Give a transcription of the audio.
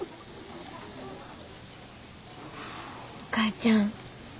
お母ちゃん。